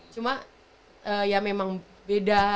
cuma ya memang beda